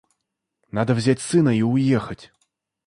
Надо взять сына и уехать.